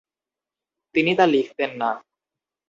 তিনি তা লিখতেন না।